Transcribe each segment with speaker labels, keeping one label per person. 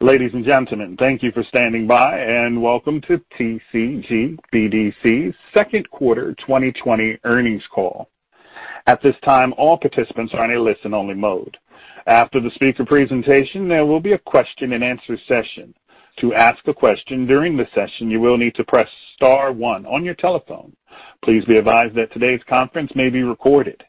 Speaker 1: Ladies and gentlemen, thank you for standing by, and welcome to TCG BDC second quarter 2020 earnings call. At this time, all participants are in a listen only mode. After the speaker presentation, there will be a question and answer session. To ask a question during the session, you will need to press star one on your telephone. Please be advised that today's conference may be recorded.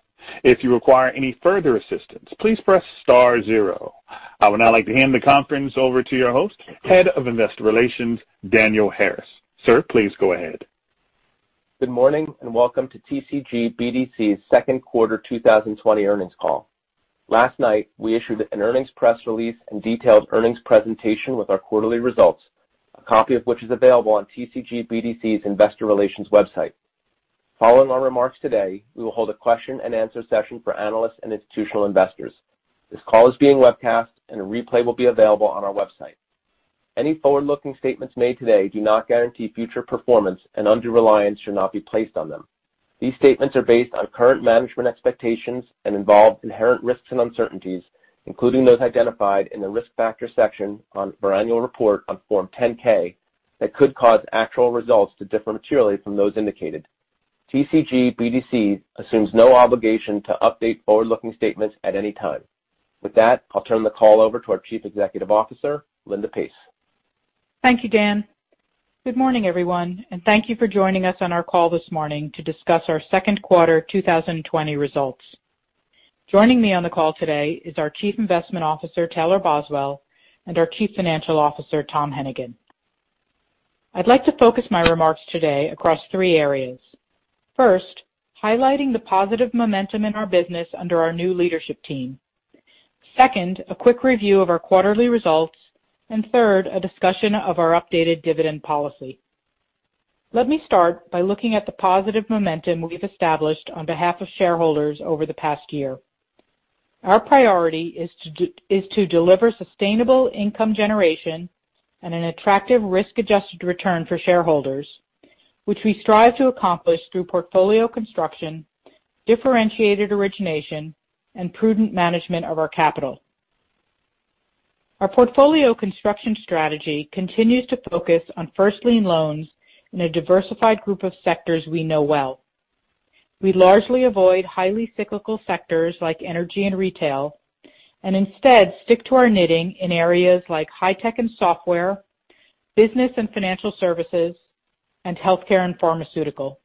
Speaker 1: If you require any further assistance, please press star zero. I would now like to hand the conference over to your host, Head of Investor Relations, Daniel Harris. Sir, please go ahead.
Speaker 2: Good morning, and welcome to TCG BDC's second quarter 2020 earnings call. Last night, we issued an earnings press release and detailed earnings presentation with our quarterly results, a copy of which is available on TCG BDC's investor relations website. Following our remarks today, we will hold a question and answer session for analysts and institutional investors. This call is being webcast. A replay will be available on our website. Any forward-looking statements made today do not guarantee future performance. Undue reliance should not be placed on them. These statements are based on current management expectations and involve inherent risks and uncertainties, including those identified in the risk factors section on our annual report on Form 10-K, that could cause actual results to differ materially from those indicated. TCG BDC assumes no obligation to update forward-looking statements at any time. With that, I'll turn the call over to our Chief Executive Officer, Linda Pace.
Speaker 3: Thank you, Dan. Good morning, everyone, and thank you for joining us on our call this morning to discuss our second quarter 2020 results. Joining me on the call today is our Chief Investment Officer, Taylor Boswell, and our Chief Financial Officer, Tom Hennigan. I'd like to focus my remarks today across three areas. First, highlighting the positive momentum in our business under our new leadership team. Second, a quick review of our quarterly results, and third, a discussion of our updated dividend policy. Let me start by looking at the positive momentum we've established on behalf of shareholders over the past year. Our priority is to deliver sustainable income generation and an attractive risk-adjusted return for shareholders, which we strive to accomplish through portfolio construction, differentiated origination, and prudent management of our capital. Our portfolio construction strategy continues to focus on first-lien loans in a diversified group of sectors we know well. We largely avoid highly cyclical sectors like energy and retail, and instead stick to our knitting in areas like high-tech and software, business and financial services, and healthcare and pharmaceutical.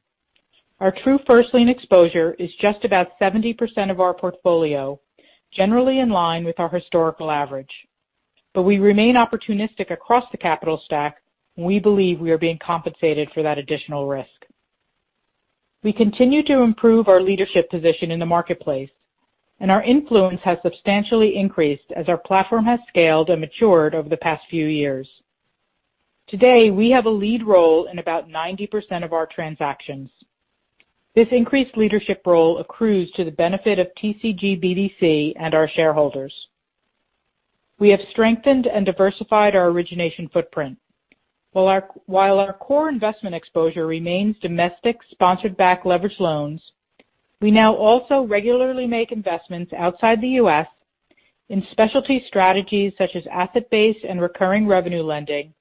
Speaker 3: Our true first-lien exposure is just about 70% of our portfolio, generally in line with our historical average. We remain opportunistic across the capital stack. We believe we are being compensated for that additional risk. We continue to improve our leadership position in the marketplace, and our influence has substantially increased as our platform has scaled and matured over the past few years. Today, we have a lead role in about 90% of our transactions. This increased leadership role accrues to the benefit of TCG BDC and our shareholders. We have strengthened and diversified our origination footprint. While our core investment exposure remains domestic, sponsored back leveraged loans, we now also regularly make investments outside the U.S. in specialty strategies such as asset-based and recurring revenue lending,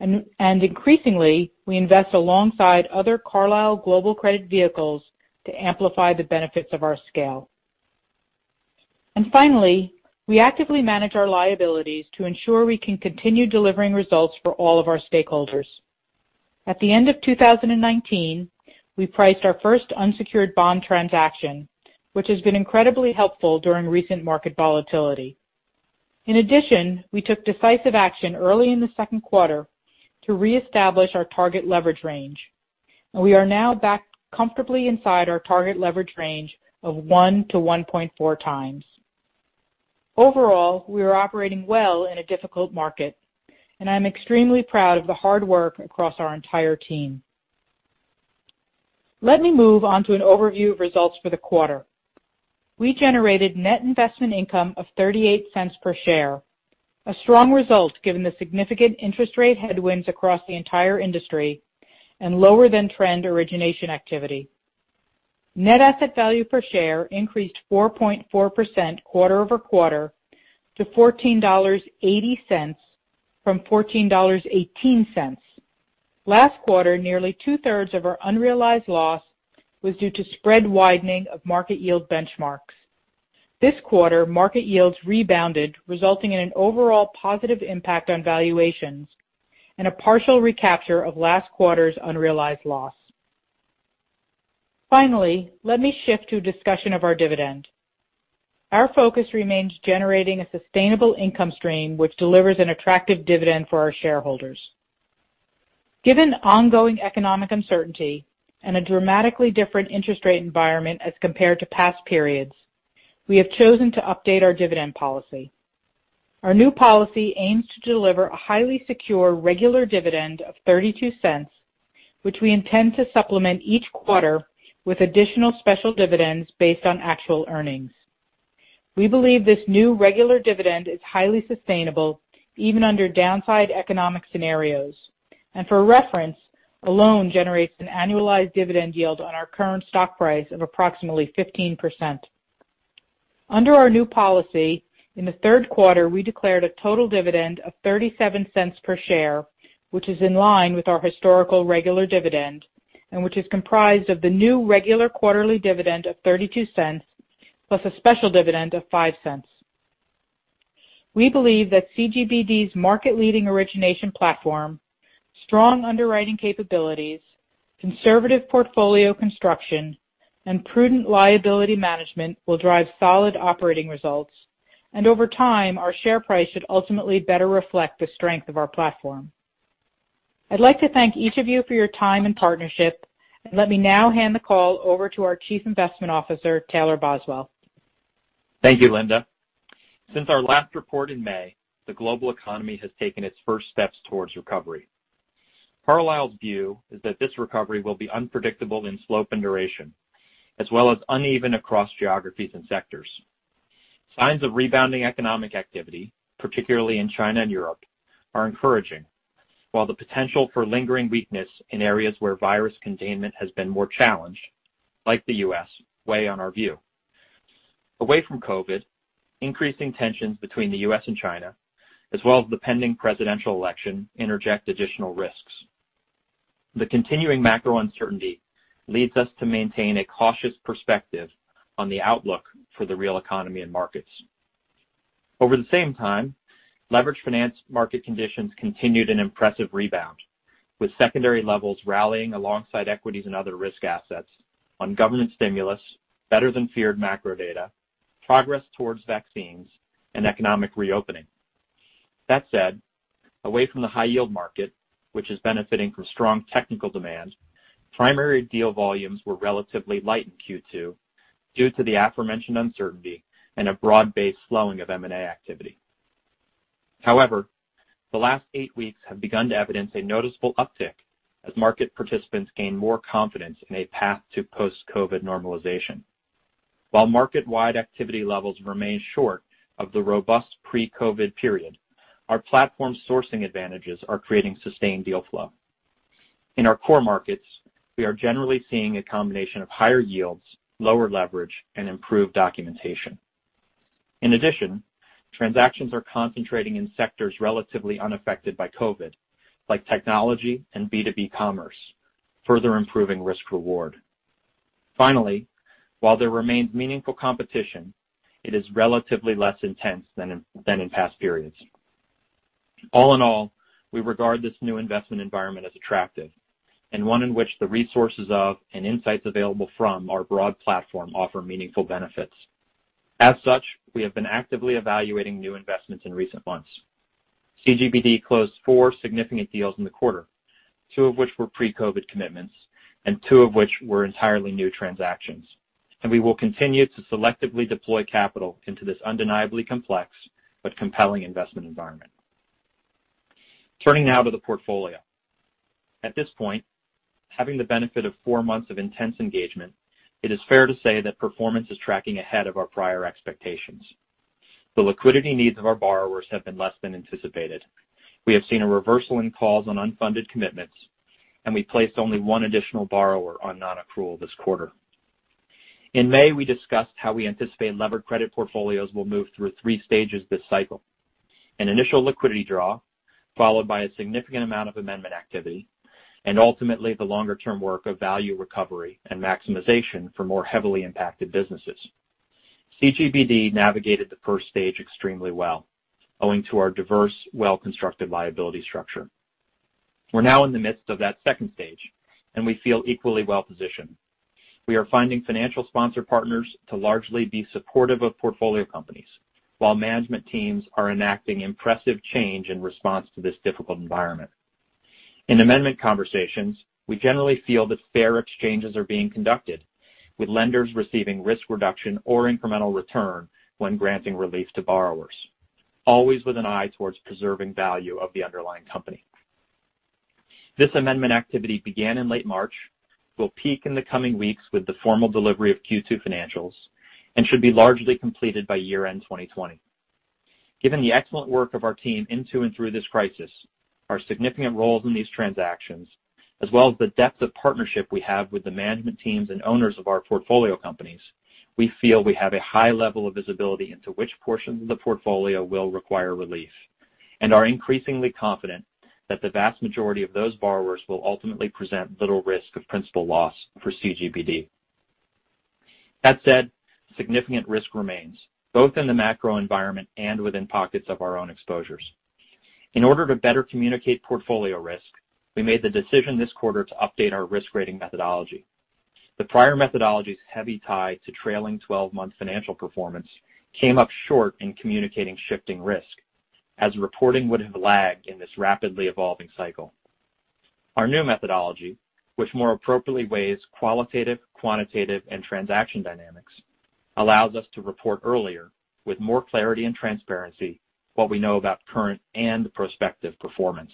Speaker 3: and increasingly, we invest alongside other Carlyle Global Credit vehicles to amplify the benefits of our scale. Finally, we actively manage our liabilities to ensure we can continue delivering results for all of our stakeholders. At the end of 2019, we priced our first unsecured bond transaction, which has been incredibly helpful during recent market volatility. In addition, we took decisive action early in the second quarter to reestablish our target leverage range, and we are now back comfortably inside our target leverage range of 1x-1.4x. Overall, we are operating well in a difficult market, and I'm extremely proud of the hard work across our entire team. Let me move on to an overview of results for the quarter. We generated net investment income of $0.38 per share, a strong result given the significant interest rate headwinds across the entire industry and lower than trend origination activity. Net asset value per share increased 4.4% quarter-over-quarter to $14.80 from $14.18. Last quarter, nearly 2/3 of our unrealized loss was due to spread widening of market yield benchmarks. This quarter, market yields rebounded, resulting in an overall positive impact on valuations and a partial recapture of last quarter's unrealized loss. Finally, let me shift to a discussion of our dividend. Our focus remains generating a sustainable income stream, which delivers an attractive dividend for our shareholders. Given ongoing economic uncertainty and a dramatically different interest rate environment as compared to past periods, we have chosen to update our dividend policy. Our new policy aims to deliver a highly secure regular dividend of $0.32, which we intend to supplement each quarter with additional special dividends based on actual earnings. We believe this new regular dividend is highly sustainable even under downside economic scenarios. For reference, alone generates an annualized dividend yield on our current stock price of approximately 15%. Under our new policy, in the third quarter, we declared a total dividend of $0.37 per share, which is in line with our historical regular dividend and which is comprised of the new regular quarterly dividend of $0.32, plus a special dividend of $0.05. We believe that CGBD's market-leading origination platform, strong underwriting capabilities, conservative portfolio construction, and prudent liability management will drive solid operating results, and over time, our share price should ultimately better reflect the strength of our platform. I'd like to thank each of you for your time and partnership, and let me now hand the call over to our Chief Investment Officer, Taylor Boswell.
Speaker 4: Thank you, Linda. Since our last report in May, the global economy has taken its first steps towards recovery. Carlyle's view is that this recovery will be unpredictable in slope and duration, as well as uneven across geographies and sectors. Signs of rebounding economic activity, particularly in China and Europe, are encouraging, while the potential for lingering weakness in areas where virus containment has been more challenged, like the U.S., weigh on our view. Away from COVID, increasing tensions between the U.S. and China, as well as the pending presidential election, interject additional risks. The continuing macro uncertainty leads us to maintain a cautious perspective on the outlook for the real economy and markets. Over the same time, leverage finance market conditions continued an impressive rebound, with secondary levels rallying alongside equities and other risk assets on government stimulus, better than feared macro data, progress towards vaccines, and economic reopening. That said, away from the high yield market, which is benefiting from strong technical demand, primary deal volumes were relatively light in Q2 due to the aforementioned uncertainty and a broad-based slowing of M&A activity. The last eight weeks have begun to evidence a noticeable uptick as market participants gain more confidence in a path to post-COVID normalization. While market-wide activity levels remain short of the robust pre-COVID period, our platform sourcing advantages are creating sustained deal flow. In our core markets, we are generally seeing a combination of higher yields, lower leverage, and improved documentation. In addition, transactions are concentrating in sectors relatively unaffected by COVID, like technology and B2B commerce, further improving risk-reward. While there remains meaningful competition, it is relatively less intense than in past periods. All in all, we regard this new investment environment as attractive and one in which the resources of and insights available from our broad platform offer meaningful benefits. As such, we have been actively evaluating new investments in recent months. CGBD closed four significant deals in the quarter, two of which were pre-COVID commitments and two of which were entirely new transactions, and we will continue to selectively deploy capital into this undeniably complex but compelling investment environment. Turning now to the portfolio. At this point, having the benefit of four months of intense engagement, it is fair to say that performance is tracking ahead of our prior expectations. The liquidity needs of our borrowers have been less than anticipated. We have seen a reversal in calls on unfunded commitments, and we placed only one additional borrower on non-accrual this quarter. In May, we discussed how we anticipate levered credit portfolios will move through three stages this cycle: an initial liquidity draw, followed by a significant amount of amendment activity, and ultimately, the longer-term work of value recovery and maximization for more heavily impacted businesses. CGBD navigated the 1st stage extremely well owing to our diverse, well-constructed liability structure. We're now in the midst of that 2nd stage, and we feel equally well-positioned. We are finding financial sponsor partners to largely be supportive of portfolio companies, while management teams are enacting impressive change in response to this difficult environment. In amendment conversations, we generally feel that fair exchanges are being conducted, with lenders receiving risk reduction or incremental return when granting relief to borrowers, always with an eye towards preserving value of the underlying company. This amendment activity began in late March, will peak in the coming weeks with the formal delivery of Q2 financials, and should be largely completed by year-end 2020. Given the excellent work of our team into and through this crisis, our significant roles in these transactions, as well as the depth of partnership we have with the management teams and owners of our portfolio companies, we feel we have a high level of visibility into which portions of the portfolio will require relief, and are increasingly confident that the vast majority of those borrowers will ultimately present little risk of principal loss for CGBD. That said, significant risk remains, both in the macro environment and within pockets of our own exposures. In order to better communicate portfolio risk, we made the decision this quarter to update our risk rating methodology. The prior methodology's heavy tie to trailing 12-month financial performance came up short in communicating shifting risk, as reporting would have lagged in this rapidly evolving cycle. Our new methodology, which more appropriately weighs qualitative, quantitative, and transaction dynamics, allows us to report earlier with more clarity and transparency what we know about current and prospective performance.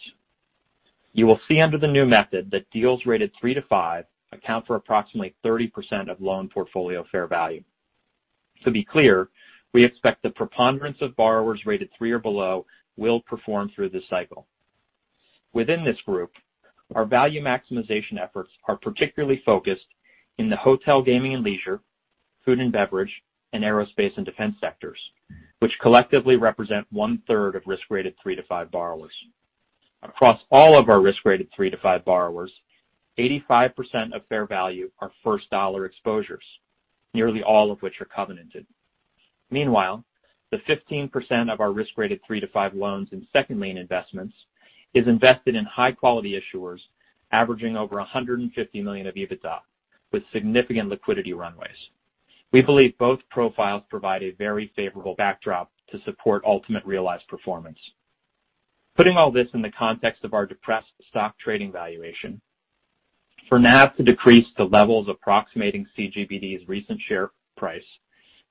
Speaker 4: You will see under the new method that deals rated three to five account for approximately 30% of loan portfolio fair value. To be clear, we expect the preponderance of borrowers rated three or below will perform through this cycle. Within this group, our value maximization efforts are particularly focused in the hotel, gaming and leisure, food and beverage, and aerospace and defense sectors, which collectively represent 1/3 of risk-rated three to five borrowers. Across all of our risk-rated three to five borrowers, 85% of fair value are first dollar exposures, nearly all of which are covenanted. Meanwhile, the 15% of our risk-rated three to five loans in second lien investments is invested in high-quality issuers averaging over $150 million of EBITDA, with significant liquidity runways. We believe both profiles provide a very favorable backdrop to support ultimate realized performance. Putting all this in the context of our depressed stock trading valuation, for NAV to decrease to levels approximating CGBD's recent share price,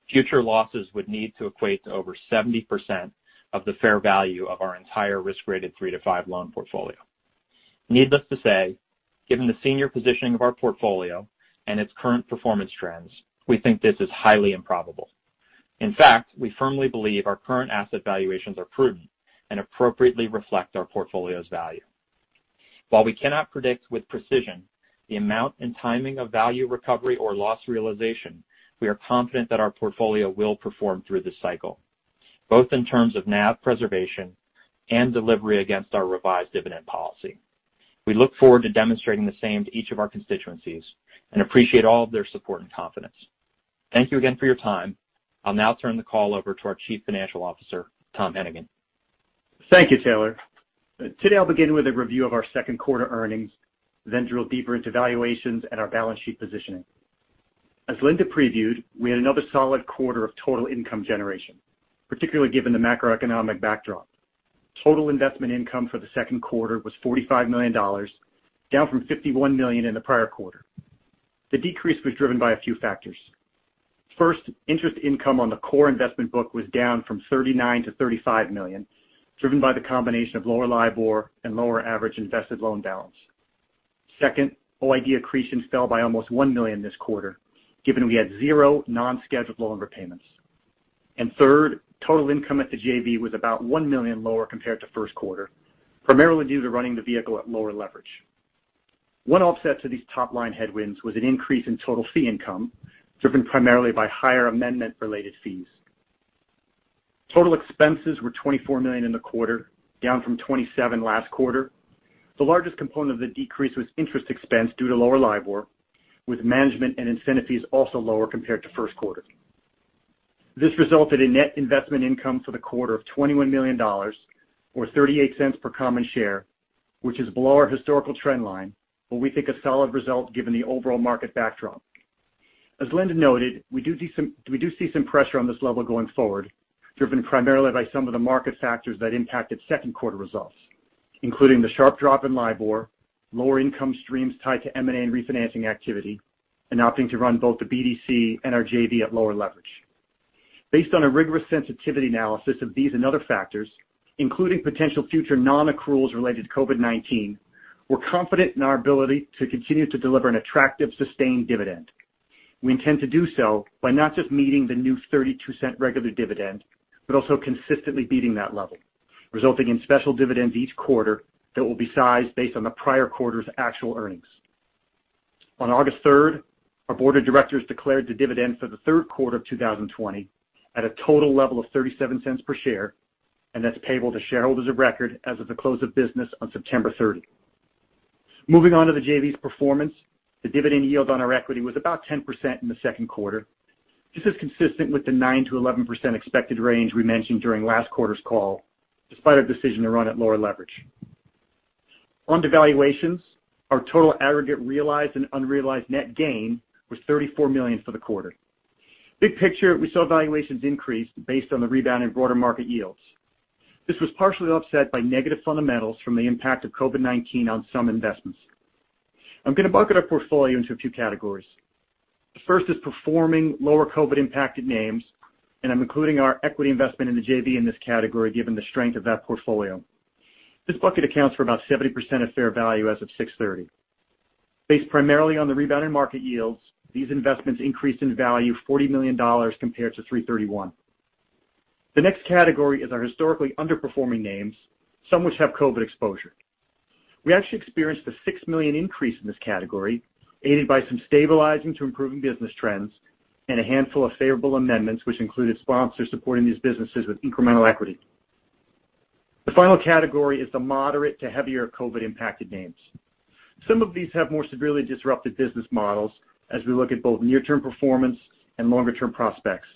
Speaker 4: future losses would need to equate to over 70% of the fair value of our entire risk-rated three to five loan portfolio. Needless to say, given the senior positioning of our portfolio and its current performance trends, we think this is highly improbable. In fact, we firmly believe our current asset valuations are prudent and appropriately reflect our portfolio's value. While we cannot predict with precision the amount and timing of value recovery or loss realization, we are confident that our portfolio will perform through this cycle, both in terms of NAV preservation and delivery against our revised dividend policy. We look forward to demonstrating the same to each of our constituencies and appreciate all of their support and confidence. Thank you again for your time. I'll now turn the call over to our Chief Financial Officer, Tom Hennigan.
Speaker 5: Thank you, Taylor. Today, I'll begin with a review of our second quarter earnings, then drill deeper into valuations and our balance sheet positioning. As Linda previewed, we had another solid quarter of total income generation, particularly given the macroeconomic backdrop. Total investment income for the second quarter was $45 million, down from $51 million in the prior quarter. The decrease was driven by a few factors. First, interest income on the core investment book was down from $39 million to $35 million, driven by the combination of lower LIBOR and lower average invested loan balance. Second, OID accretion fell by almost $1 million this quarter, given we had zero non-scheduled loan repayments. Third, total income at the JV was about $1 million lower compared to first quarter, primarily due to running the vehicle at lower leverage. One offset to these top-line headwinds was an increase in total fee income, driven primarily by higher amendment-related fees. Total expenses were $24 million in the quarter, down from $27 million last quarter. The largest component of the decrease was interest expense due to lower LIBOR, with management and incentive fees also lower compared to first quarter. This resulted in net investment income for the quarter of $21 million, or $0.38 per common share, which is below our historical trend line, but we think a solid result given the overall market backdrop. As Linda noted, we do see some pressure on this level going forward, driven primarily by some of the market factors that impacted second quarter results, including the sharp drop in LIBOR, lower income streams tied to M&A and refinancing activity, and opting to run both the BDC and our JV at lower leverage. Based on a rigorous sensitivity analysis of these and other factors, including potential future non-accruals related to COVID-19, we're confident in our ability to continue to deliver an attractive, sustained dividend. We intend to do so by not just meeting the new $0.32 regular dividend, but also consistently beating that level, resulting in special dividends each quarter that will be sized based on the prior quarter's actual earnings. On August 3rd, our board of directors declared the dividend for the third quarter of 2020 at a total level of $0.37 per share. That's payable to shareholders of record as of the close of business on September 30th. Moving on to the JV's performance, the dividend yield on our equity was about 10% in the second quarter. This is consistent with the 9%-11% expected range we mentioned during last quarter's call, despite our decision to run at lower leverage. On to valuations. Our total aggregate realized and unrealized net gain was $34 million for the quarter. Big picture, we saw valuations increase based on the rebound in broader market yields. This was partially offset by negative fundamentals from the impact of COVID-19 on some investments. I'm going to bucket our portfolio into a few categories. The first is performing lower COVID-impacted names, and I'm including our equity investment in the JV in this category, given the strength of that portfolio. This bucket accounts for about 70% of fair value as of 6/30. Based primarily on the rebound in market yields, these investments increased in value $40 million compared to 3/31. The next category is our historically underperforming names, some which have COVID exposure. We actually experienced a $6 million increase in this category, aided by some stabilizing to improving business trends and a handful of favorable amendments, which included sponsors supporting these businesses with incremental equity. The final category is the moderate to heavier COVID-impacted names. Some of these have more severely disrupted business models as we look at both near-term performance and longer-term prospects.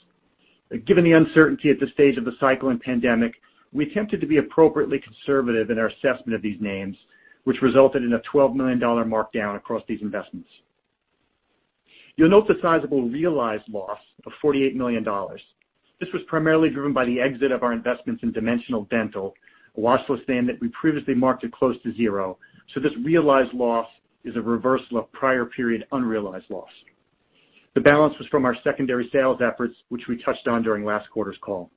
Speaker 5: Given the uncertainty at this stage of the cycle and pandemic, we attempted to be appropriately conservative in our assessment of these names, which resulted in a $12 million markdown across these investments. You'll note the sizable realized loss of $48 million. This was primarily driven by the exit of our investments in Dimensional Dental, loss was stand that we previously marked at close to zero, so this realized loss is a reversal of prior period unrealized loss. The balance was from our secondary sales efforts, which we touched on during last quarter's call.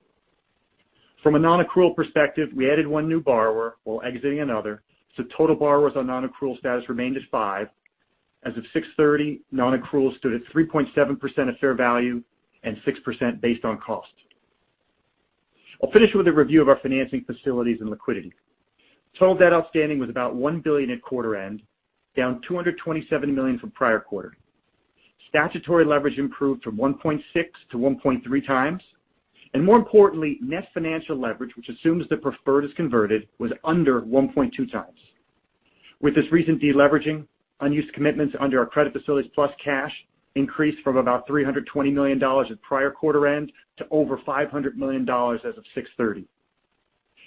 Speaker 5: From a non-accrual perspective, we added one new borrower while exiting another, so total borrowers on non-accrual status remained at five. As of 6/30, non-accrual stood at 3.7% of fair value and 6% based on cost. I'll finish with a review of our financing facilities and liquidity. Total debt outstanding was about $1 billion at quarter end, down $227 million from prior quarter. Statutory leverage improved from 1.6x-1.3x, and more importantly, net financial leverage, which assumes the preferred is converted, was under 1.2x. With this recent de-leveraging, unused commitments under our credit facilities plus cash increased from about $320 million at prior quarter end to over $500 million as of 6/30.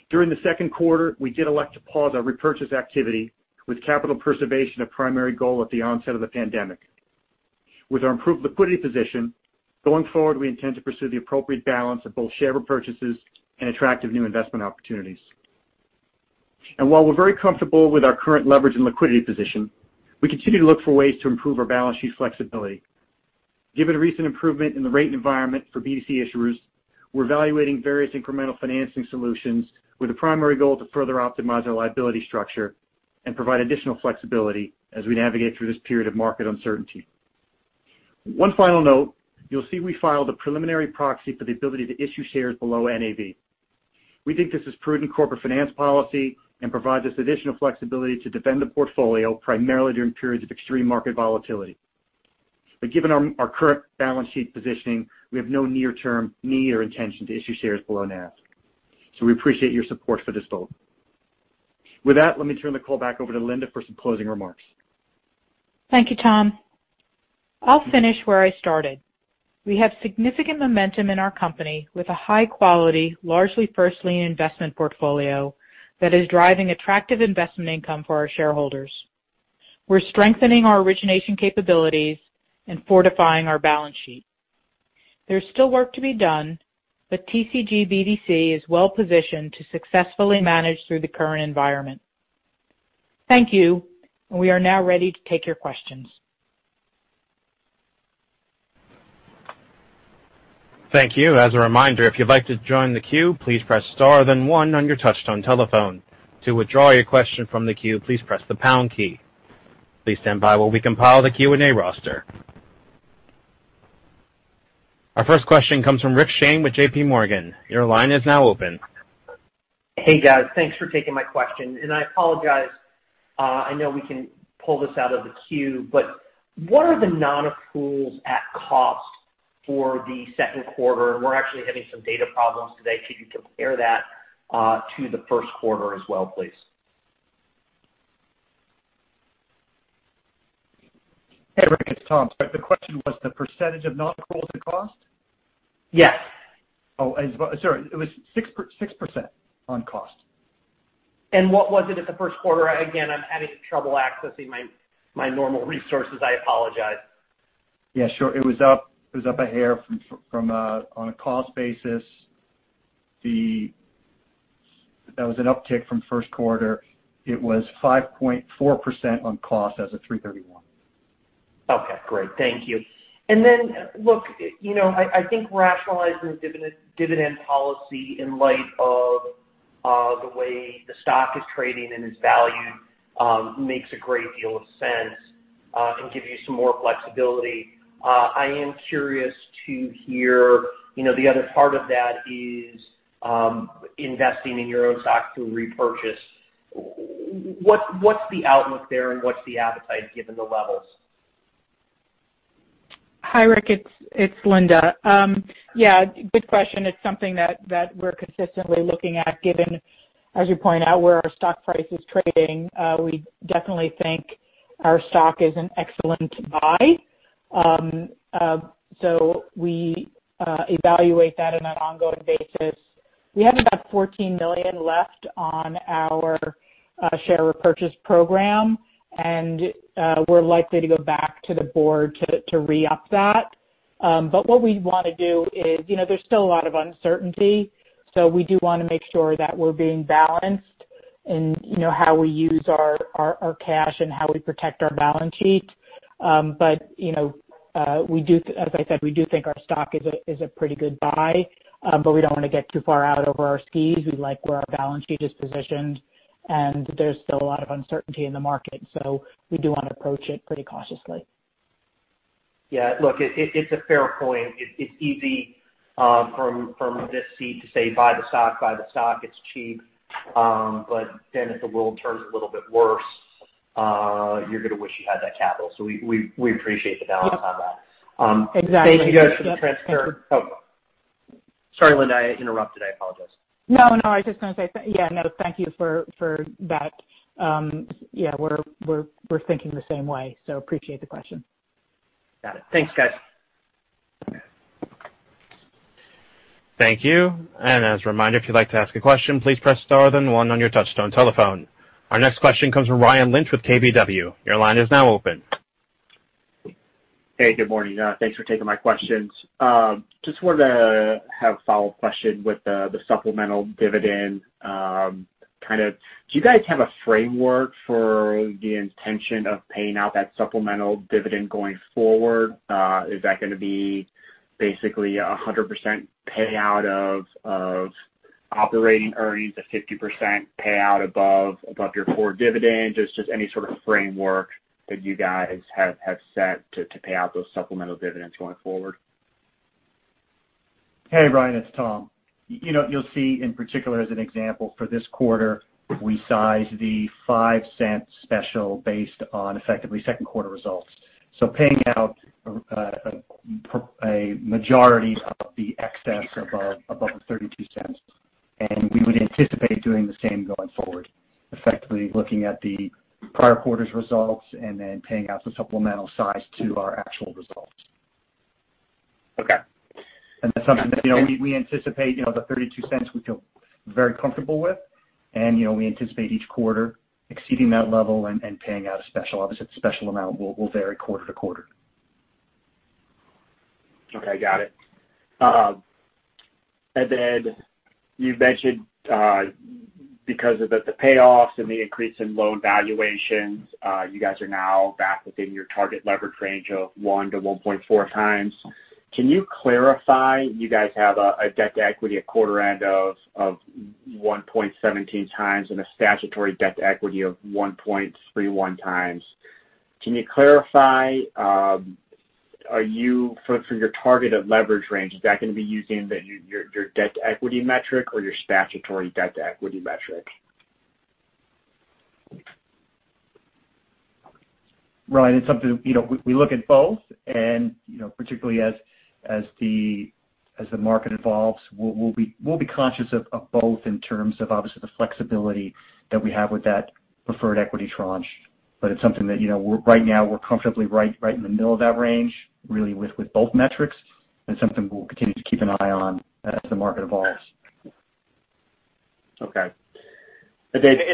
Speaker 5: During the second quarter, we did elect to pause our repurchase activity, with capital preservation a primary goal at the onset of the pandemic. With our improved liquidity position, going forward, we intend to pursue the appropriate balance of both share repurchases and attractive new investment opportunities. While we're very comfortable with our current leverage and liquidity position, we continue to look for ways to improve our balance sheet flexibility. Given the recent improvement in the rate environment for BDC issuers, we're evaluating various incremental financing solutions with the primary goal to further optimize our liability structure and provide additional flexibility as we navigate through this period of market uncertainty. One final note, you'll see we filed a preliminary proxy for the ability to issue shares below NAV. We think this is prudent corporate finance policy and provides us additional flexibility to defend the portfolio primarily during periods of extreme market volatility. Given our current balance sheet positioning, we have no near-term need or intention to issue shares below NAV. We appreciate your support for this vote. With that, let me turn the call back over to Linda for some closing remarks.
Speaker 3: Thank you, Tom. I'll finish where I started. We have significant momentum in our company with a high-quality, largely first lien investment portfolio that is driving attractive investment income for our shareholders. We're strengthening our origination capabilities and fortifying our balance sheet. There's still work to be done, but TCG BDC is well positioned to successfully manage through the current environment. Thank you. We are now ready to take your questions.
Speaker 1: Thank you. As a reminder, if you'd like to join the queue, please press one on your touch-tone telephone. To withdraw your question from the queue, please press the pound key. Please stand by while we compile the Q&A roster. Our first question comes from Rick Shane with JPMorgan. Your line is now open.
Speaker 6: Hey, guys. Thanks for taking my question. I apologize, I know we can pull this out of the queue, but what are the non-accruals at cost for the second quarter? We're actually having some data problems today. Could you compare that to the first quarter as well, please?
Speaker 5: Hey, Rick, it's Tom. Sorry. The question was the percentage of non-accruals to cost?
Speaker 6: Yes.
Speaker 5: Oh, sorry. It was 6% on cost.
Speaker 6: What was it at the first quarter? Again, I'm having trouble accessing my normal resources. I apologize.
Speaker 5: Yeah, sure. It was up a hair from, on a cost basis. That was an uptick from first quarter. It was 5.4% on cost as of 3/31.
Speaker 6: Okay, great. Thank you. Look, I think rationalizing dividend policy in light of the way the stock is trading and is valued makes a great deal of sense and gives you some more flexibility. I am curious to hear the other part of that is investing in your own stock to repurchase. What's the outlook there and what's the appetite given the levels?
Speaker 3: Hi, Rick, it's Linda. Yeah, good question. It's something that we're consistently looking at, given, as you point out, where our stock price is trading. We definitely think our stock is an excellent buy. We evaluate that on an ongoing basis. We have about $14 million left on our share repurchase program, and we're likely to go back to the board to re-up that. What we want to do is, there's still a lot of uncertainty, so we do want to make sure that we're being balanced in how we use our cash and how we protect our balance sheet. As I said, we do think our stock is a pretty good buy, but we don't want to get too far out over our skis. We like where our balance sheet is positioned, and there's still a lot of uncertainty in the market, so we do want to approach it pretty cautiously.
Speaker 6: Yeah, look, it's a fair point. It's easy from this seat to say, "Buy the stock, it's cheap." If the world turns a little bit worse, you're going to wish you had that capital. We appreciate the balance on that.
Speaker 3: Exactly.
Speaker 6: Oh, sorry, Linda, I interrupted. I apologize.
Speaker 3: No, I was just going to say thank you for that. Yeah, we're thinking the same way, so appreciate the question.
Speaker 6: Got it. Thanks, guys.
Speaker 1: Thank you. As a reminder, if you'd like to ask a question, please press star then one on your touchtone telephone. Our next question comes from Ryan Lynch with KBW. Your line is now open.
Speaker 7: Hey, good morning. Thanks for taking my questions. Just wanted to have a follow-up question with the supplemental dividend. Do you guys have a framework for the intention of paying out that supplemental dividend going forward? Is that going to be basically 100% payout of operating earnings, a 50% payout above your core dividend? Just any sort of framework that you guys have set to pay out those supplemental dividends going forward.
Speaker 5: Hey, Ryan, it's Tom. You'll see in particular as an example for this quarter, we size the $0.05 special based on effectively second quarter results. Paying out a majority of the excess above the $0.32, and we would anticipate doing the same going forward, effectively looking at the prior quarter's results and then paying out the supplemental size to our actual results.
Speaker 7: Okay.
Speaker 5: That's something that we anticipate, the $0.32 we feel very comfortable with, and we anticipate each quarter exceeding that level and paying out a special. Obviously, the special amount will vary quarter-to-quarter.
Speaker 7: Okay. Got it. You mentioned because of the payoffs and the increase in loan valuations, you guys are now back within your target leverage range of 1x-1.4x. Can you clarify, you guys have a debt to equity at quarter end of 1.17x and a statutory debt to equity of 1.31x. Can you clarify, for your target of leverage range, is that going to be using your debt to equity metric or your statutory debt to equity metric?
Speaker 5: Ryan, it's something, we look at both and particularly as the market evolves, we'll be conscious of both in terms of obviously the flexibility that we have with that preferred equity tranche. It's something that right now we're comfortably right in the middle of that range, really with both metrics and something we'll continue to keep an eye on as the market evolves.
Speaker 7: Okay.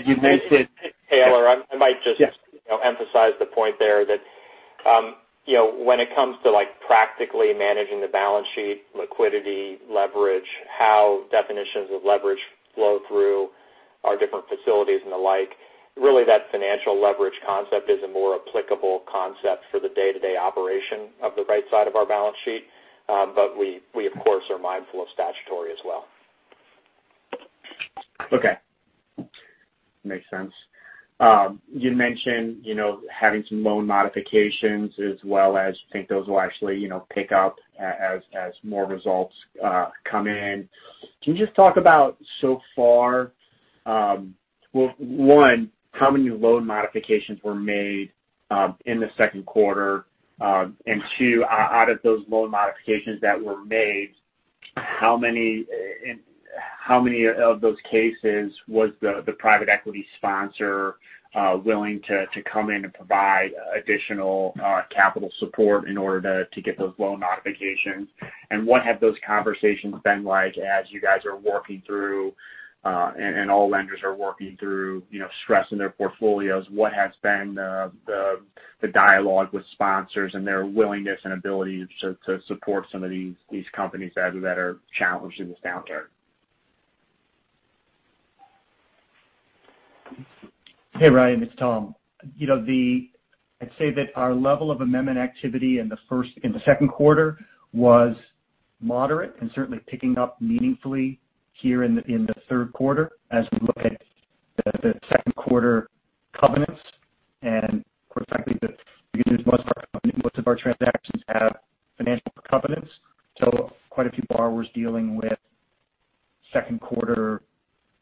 Speaker 7: you've mentioned.
Speaker 4: Taylor, I might just.
Speaker 7: Yes.
Speaker 4: Emphasize the point there that when it comes to practically managing the balance sheet, liquidity, leverage, how definitions of leverage flow through our different facilities and the like, really that financial leverage concept is a more applicable concept for the day-to-day operation of the right side of our balance sheet. We, of course, are mindful of statutory as well.
Speaker 7: Okay. Makes sense. You mentioned having some loan modifications as well as you think those will actually pick up as more results come in. Can you just talk about so far, well, one, how many loan modifications were made in the second quarter? Two, out of those loan modifications that were made, how many of those cases was the private equity sponsor willing to come in and provide additional capital support in order to get those loan modifications? What have those conversations been like as you guys are working through, and all lenders are working through stressing their portfolios. What has been the dialogue with sponsors and their willingness and ability to support some of these companies that are challenged in this downturn?
Speaker 5: Hey, Ryan, it's Tom. I'd say that our level of amendment activity in the second quarter was moderate and certainly picking up meaningfully here in the third quarter as we look at the second quarter covenants. Quite frankly, because most of our transactions have financial covenants, so quite a few borrowers dealing with second quarter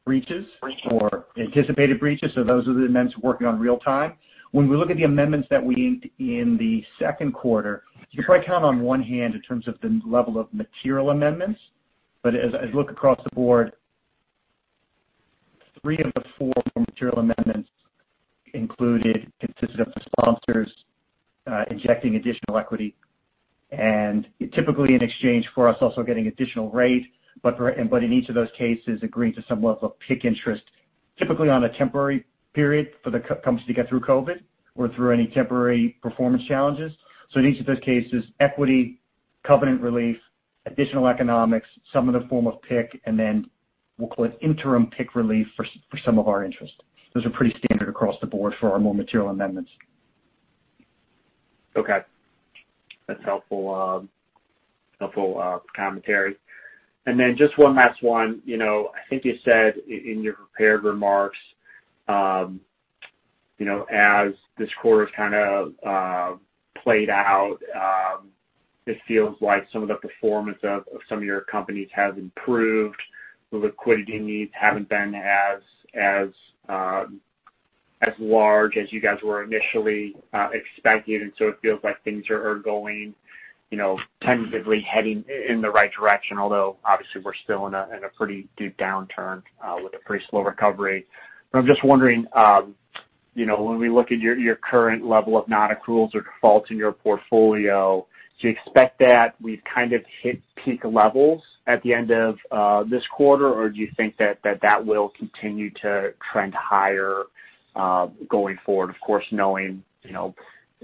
Speaker 5: breaches or anticipated breaches. Those are the amendments we're working on real time. When we look at the amendments that we inked in the second quarter, you could probably count on one hand in terms of the level of material amendments. As I look across the board, three of the four material amendments consisted of the sponsors injecting additional equity, and typically in exchange for us also getting additional rate, but in each of those cases, agreeing to some level of PIK interest, typically on a temporary period for the company to get through COVID-19 or through any temporary performance challenges. In each of those cases, equity, covenant relief, additional economics, some in the form of PIK, and then we'll call it interim PIK relief for some of our interest. Those are pretty standard across the board for our more material amendments.
Speaker 7: Okay. That's helpful commentary. Just one last one. I think you said in your prepared remarks, as this quarter's kind of played out, it feels like some of the performance of some of your companies has improved. The liquidity needs haven't been as large as you guys were initially expecting, it feels like things are going tentatively heading in the right direction, although obviously we're still in a pretty deep downturn with a pretty slow recovery. I'm just wondering when we look at your current level of non-accruals or defaults in your portfolio, do you expect that we've kind of hit peak levels at the end of this quarter, or do you think that that will continue to trend higher going forward? Of course, knowing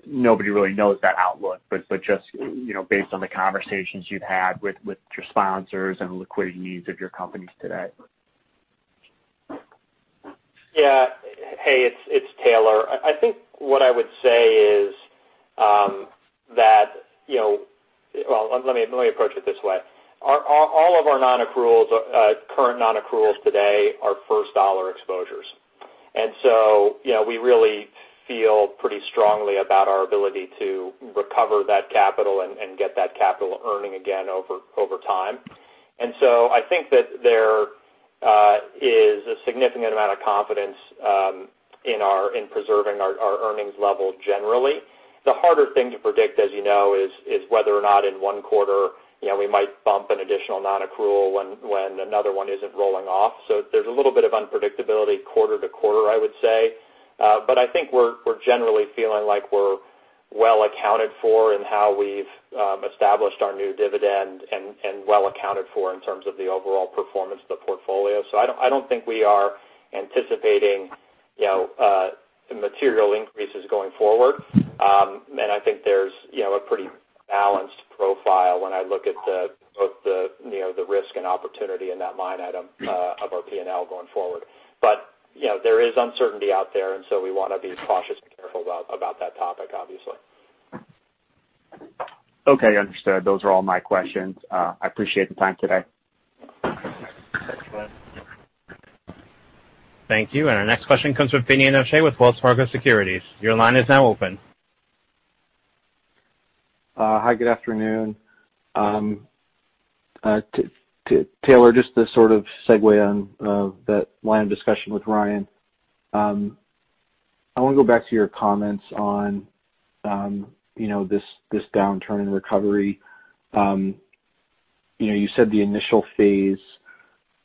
Speaker 7: nobody really knows that outlook, but just based on the conversations you've had with your sponsors and liquidity needs of your companies today.
Speaker 4: Yeah. Hey, it's Taylor. I think what I would say. Well, let me approach it this way. All of our current non-accruals today are first-dollar exposures. We really feel pretty strongly about our ability to recover that capital and get that capital earning again over time. I think that there is a significant amount of confidence in preserving our earnings level generally. The harder thing to predict, as you know, is whether or not in one quarter, we might bump an additional non-accrual when another one isn't rolling off. There's a little bit of unpredictability quarter-to-quarter, I would say. I think we're generally feeling like we're well accounted for in how we've established our new dividend, and well accounted for in terms of the overall performance of the portfolio. I don't think we are anticipating material increases going forward. I think there's a pretty balanced profile when I look at both the risk and opportunity in that line item of our P&L going forward. There is uncertainty out there, and so we want to be cautious and careful about that topic, obviously.
Speaker 7: Okay, understood. Those are all my questions. I appreciate the time today.
Speaker 4: Thanks, Ryan.
Speaker 1: Thank you. Our next question comes from Finian O'Shea with Wells Fargo Securities.
Speaker 8: Hi, good afternoon. Taylor, just to sort of segue on that line of discussion with Ryan. I want to go back to your comments on this downturn in recovery. You said the initial phase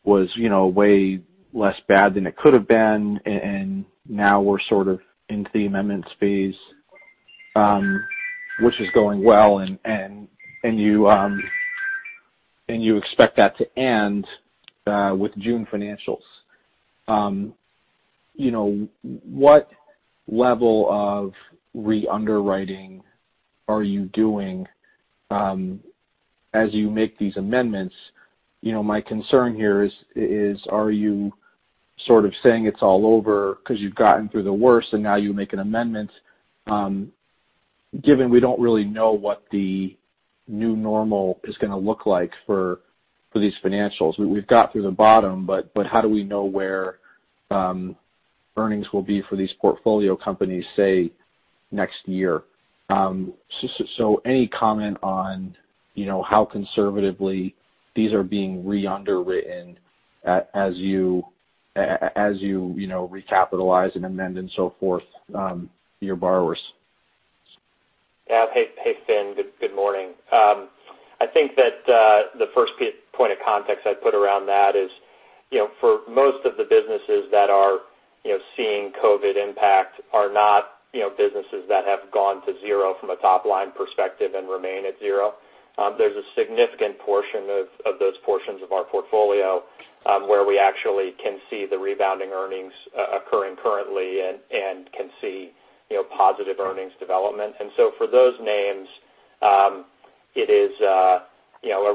Speaker 8: was way less bad than it could have been, and now we're sort of into the amendments phase which is going well, and you expect that to end with June financials. What level of re-underwriting are you doing as you make these amendments? My concern here is, are you sort of saying it's all over because you've gotten through the worst and now you make an amendment given we don't really know what the new normal is going to look like for these financials. We've got through the bottom, but how do we know where earnings will be for these portfolio companies, say, next year? Any comment on how conservatively these are being re-underwritten as you recapitalize and amend and so forth your borrowers?
Speaker 4: Yeah. Hey, Fin. Good morning. I think that the first point of context I'd put around that is for most of the businesses that are seeing COVID impact are not businesses that have gone to zero from a top-line perspective and remain at zero. There's a significant portion of those portions of our portfolio where we actually can see the rebounding earnings occurring currently and can see positive earnings development. For those names, it is a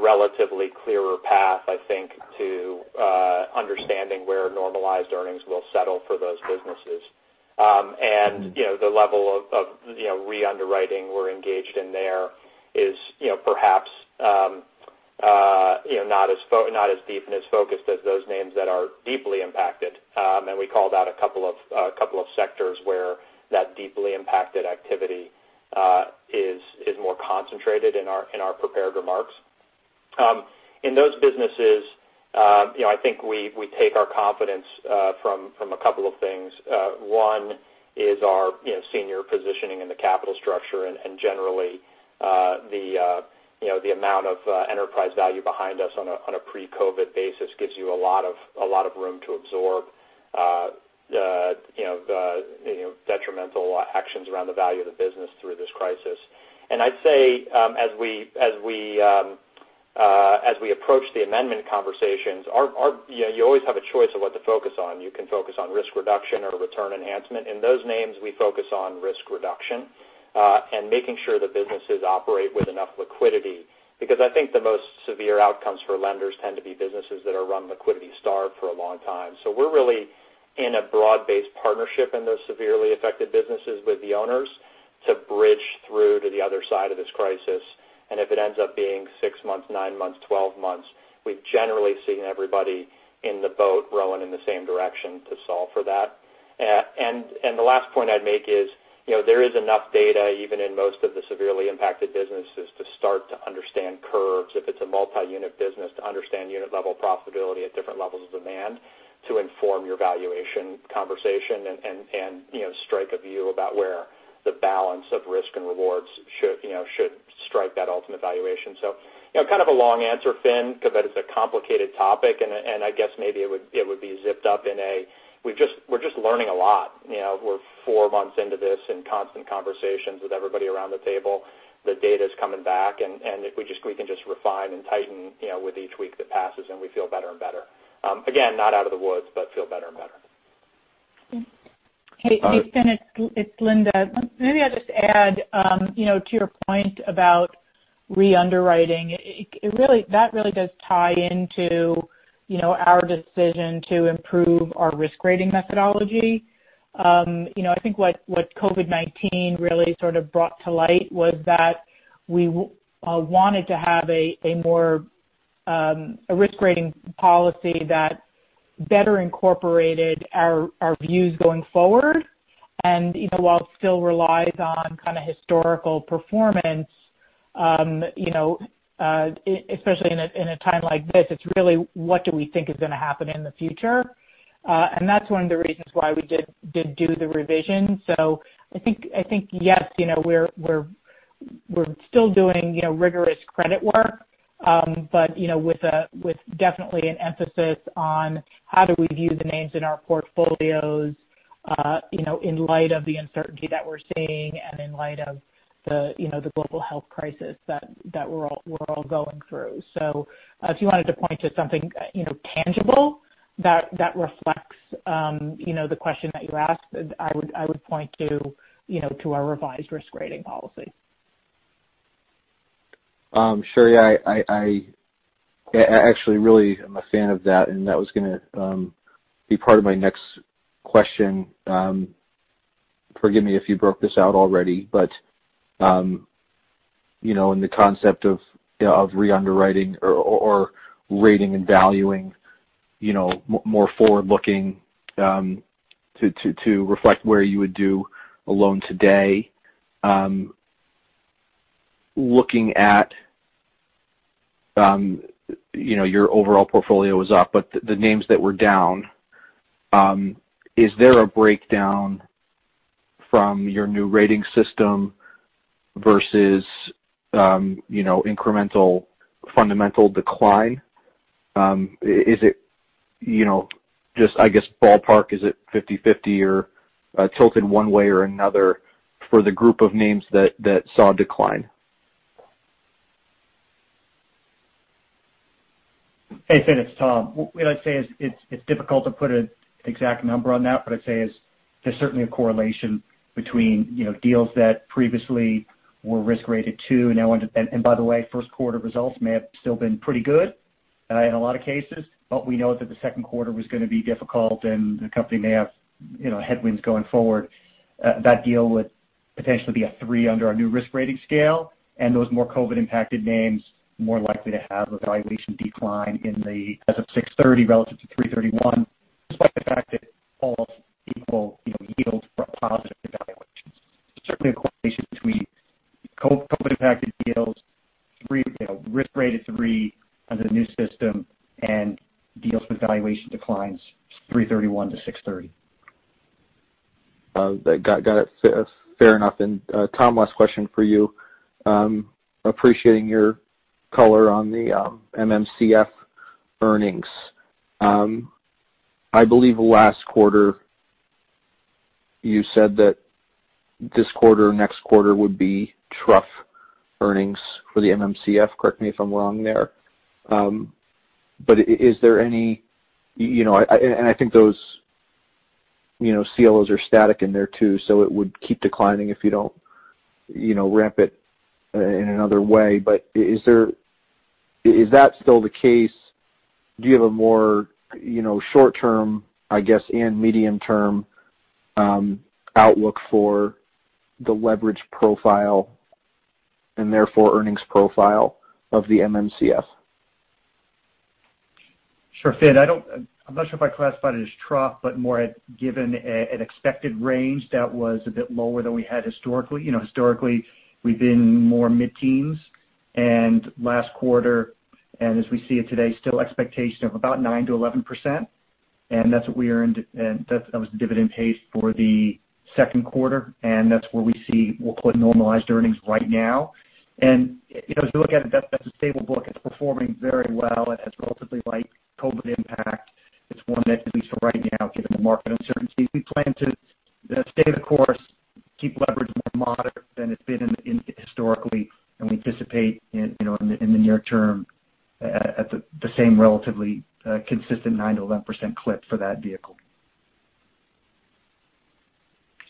Speaker 4: relatively clearer path, I think, to understanding where normalized earnings will settle for those businesses. The level of re-underwriting we're engaged in there is perhaps not as deep and as focused as those names that are deeply impacted. We called out a couple of sectors where that deeply impacted activity is more concentrated in our prepared remarks. In those businesses, I think we take our confidence from a couple of things. One is our senior positioning in the capital structure, and generally the amount of enterprise value behind us on a pre-COVID-19 basis gives you a lot of room to absorb the detrimental actions around the value of the business through this crisis. I'd say as we approach the amendment conversations, you always have a choice of what to focus on. You can focus on risk reduction or return enhancement. In those names, we focus on risk reduction and making sure the businesses operate with enough liquidity. I think the most severe outcomes for lenders tend to be businesses that are run liquidity-starved for a long time. We're really in a broad-based partnership in those severely affected businesses with the owners to bridge through to the other side of this crisis. If it ends up being six months, nine months, 12 months, we've generally seen everybody in the boat rowing in the same direction to solve for that. The last point I'd make is there is enough data, even in most of the severely impacted businesses, to start to understand curves, if it's a multi-unit business, to understand unit-level profitability at different levels of demand to inform your valuation conversation and strike a view about where the balance of risk and rewards should strike that ultimate valuation. Kind of a long answer, Fin, because that is a complicated topic, and I guess maybe it would be zipped up in a we're just learning a lot. We're four months into this in constant conversations with everybody around the table. The data's coming back, and if we can just refine and tighten with each week that passes, and we feel better and better. Again, not out of the woods, but feel better and better.
Speaker 3: Hey, Finian, it's Linda. Maybe I'll just add to your point about re-underwriting. That really does tie into our decision to improve our risk rating methodology. I think what COVID-19 really sort of brought to light was that we wanted to have a risk rating policy that better incorporated our views going forward. While it still relies on kind of historical performance, especially in a time like this, it's really what do we think is going to happen in the future. That's one of the reasons why we did do the revision. I think, yes, we're still doing rigorous credit work. With definitely an emphasis on how do we view the names in our portfolios in light of the uncertainty that we're seeing and in light of the global health crisis that we're all going through. If you wanted to point to something tangible that reflects the question that you asked, I would point you to our revised risk rating policy.
Speaker 8: Sure. I actually really am a fan of that, and that was going to be part of my next question. Forgive me if you broke this out already, but in the concept of re-underwriting or rating and valuing more forward-looking to reflect where you would do a loan today. Looking at your overall portfolio was up, but the names that were down, is there a breakdown from your new rating system versus incremental fundamental decline? Is it just, I guess, ballpark, is it 50/50 or tilted one way or another for the group of names that saw a decline?
Speaker 5: Hey, Finn, it's Tom. What I'd say is it's difficult to put an exact number on that, but I'd say there's certainly a correlation between deals that previously were risk rated two. By the way, first quarter results may have still been pretty good in a lot of cases, but we know that the second quarter was going to be difficult and the company may have headwinds going forward. That deal would potentially be a three under our new risk rating scale, and those more COVID-impacted names more likely to have a valuation decline as of 6/30 relative to 3/31, despite the fact that all else equal yields for positive evaluations. Certainly a correlation between COVID-impacted deals risk rated three under the new system and deals with valuation declines 3/31-6/30.
Speaker 8: Got it. Fair enough. Tom, last question for you. Appreciating your color on the MMCF earnings. I believe last quarter you said that this quarter, next quarter would be trough earnings for the MMCF. Correct me if I'm wrong there. I think those CLOs are static in there too, so it would keep declining if you don't ramp it in another way. Is that still the case? Do you have a more short-term, I guess, and medium-term outlook for the leverage profile and therefore earnings profile of the MMCF?
Speaker 5: Sure. Fin, I'm not sure if I classified it as trough, but more given an expected range that was a bit lower than we had historically. Historically, we've been more mid-teens. Last quarter, and as we see it today, still expectation of about 9%-11%. That was the dividend pace for the second quarter, and that's where we see we'll put normalized earnings right now. As we look at it, that's a stable book. It's performing very well. It has relatively light COVID-19 impact. It's one that, at least for right now, given the market uncertainty, we plan to stay the course, keep leverage more moderate than it's been historically, and we anticipate in the near term at the same relatively consistent 9%-11% clip for that vehicle.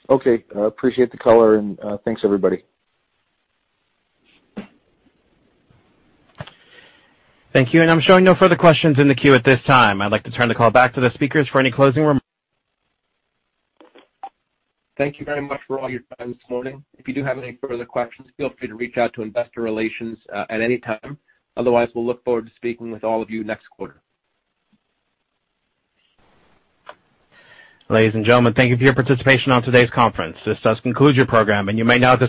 Speaker 8: Okay. Appreciate the color, and thanks, everybody.
Speaker 1: Thank you. I'm showing no further questions in the queue at this time. I'd like to turn the call back to the speakers for any closing remarks.
Speaker 2: Thank you very much for all your time this morning. If you do have any further questions, feel free to reach out to investor relations at any time. Otherwise, we'll look forward to speaking with all of you next quarter.
Speaker 1: Ladies and gentlemen, thank you for your participation on today's conference. This does conclude your program, and you may now disconnect.